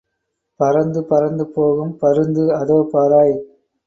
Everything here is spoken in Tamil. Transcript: பறந்து பறந்து போகும் பருந்து அதோ பாராய்.